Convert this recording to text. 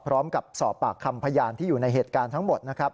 พร้อมกับสอบปากคำพยานที่อยู่ในเหตุการณ์ทั้งหมดนะครับ